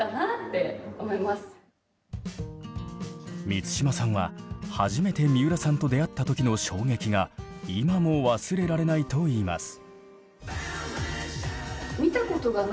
満島さんは初めて三浦さんと出会った時の衝撃が今も忘れられないといいます。